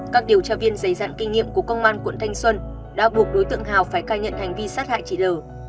các điều tra viên giấy dạng kinh nghiệm của công an quận thanh xuân đã buộc đối tượng hào phải ca nhận hành vi sát hại chị l